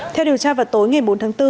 theo điều tra vào tối ngày bốn tháng bốn